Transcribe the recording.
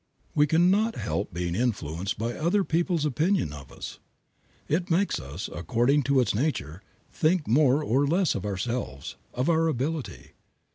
We can not help being influenced by other people's opinion of us. It makes us, according to its nature, think more or less of ourselves, of our ability.